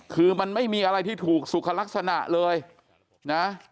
คือมันไม่มีอะไรที่ถูกสุขลักษณะเลยนะ